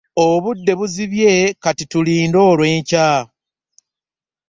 Obudde buzibye, kati tulinde olw'enkya.